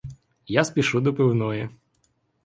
Я спішу до пивної.